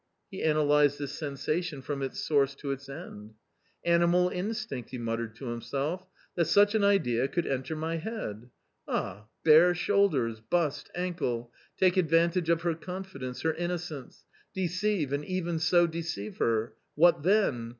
He analysed this sensation from its source to its end. " Animal instinct !" he muttered to himself; "that such an idea could enter my head — ah, bare shoulders, bust, ankle .... take advantage of her confidence, her innocence .... deceive .... and even so deceive her .... what then